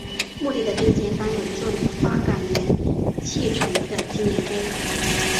墓地的正前方有一座以花岗岩砌成的纪念碑。